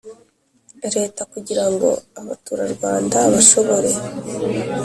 Leta kugira ngo abaturarwanda bashobore